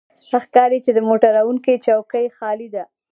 ښکاري چې د موټر چلوونکی څوکۍ خالي ده.